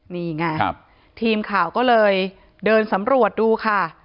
นี่ไงทีมข่าวก็เลยเดินสำรวจดูค่ะ